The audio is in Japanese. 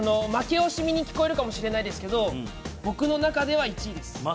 負け惜しみに聞こえるかもしれないですけど僕の中では１位です。